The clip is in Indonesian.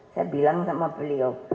saya bilang sama beliau